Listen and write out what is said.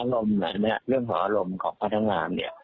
เรื่องของอารมณ์ของพนักงาน